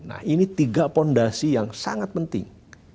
nah ini tiga fondasi yang sangat penting